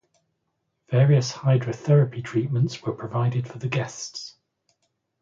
Various hydrotherapy treatments were provided for the guests.